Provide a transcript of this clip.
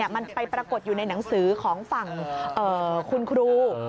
มันไปปรากฏอยู่ในหนังสือของฝั่งคุณครู